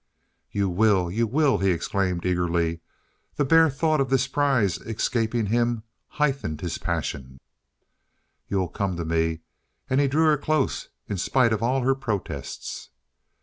"You will! You will!" he exclaimed eagerly, the bare thought of this prize escaping him heightening his passion. "You'll come to me." And he drew her close in spite of all her protests.